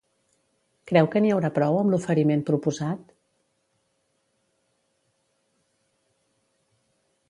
Creu que n'hi haurà prou amb l'oferiment proposat?